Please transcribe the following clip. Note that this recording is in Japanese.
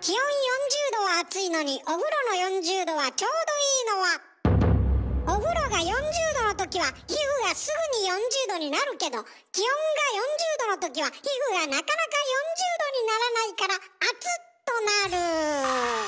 気温４０℃は暑いのにお風呂の４０℃はちょうどいいのはお風呂が４０℃のときは皮膚がすぐに４０℃になるけど気温が４０℃のときは皮膚がなかなか４０℃にならないから「暑っ！」となる。